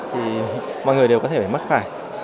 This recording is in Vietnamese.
thì mọi người đều có thể phải mất phải